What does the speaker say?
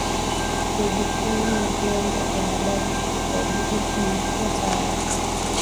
kuvifanya vyombo vya habari kuwajibika na kuwa tayari